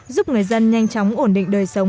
giúp người dân nhanh chóng ổn định đời sống